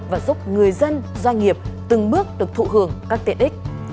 và giúp người dân doanh nghiệp từng bước được thụ hưởng các tiện ích